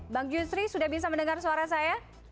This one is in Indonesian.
bang justri sudah bisa mendengar suara saya